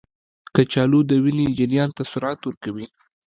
کچالو د وینې جریان ته سرعت ورکوي.